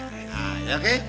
nah ya oke